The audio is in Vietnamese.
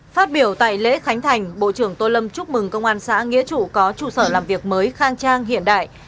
phát biểu tại lễ khánh thành bộ trưởng tô lâm chúc mừng công an xã nghĩa trụ có trụ sở làm việc mới khang trang hiện đại